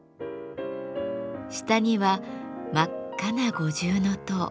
下には真っ赤な五重塔。